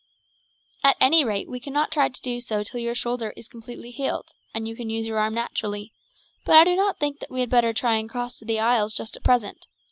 "At any rate we cannot try to do so till your shoulder is completely healed, and you can use your arm naturally; but I do not think that we had better try and cross to the isles just at present.